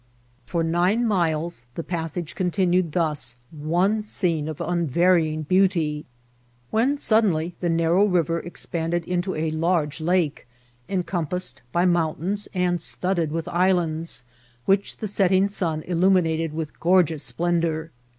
For nine miles the passage continued thus one scene of unvarying beauty, when suddenly the narrow river expanded into a* large lake, encompassed by mountains and studded with islands, which the setting sun illumi nated with gorgeous splendour.